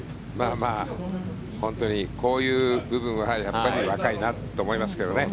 本当にこういう部分はやっぱり若いなと思いますけどね。